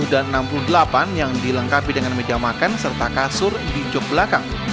enam puluh tujuh dan enam puluh delapan yang dilengkapi dengan meja makan serta kasur di jok belakang